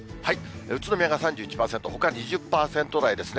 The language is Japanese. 宇都宮が３１％、ほか２０％台ですね。